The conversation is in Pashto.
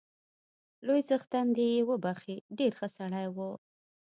لوی څښتن دې يې وبخښي، ډېر ښه سړی وو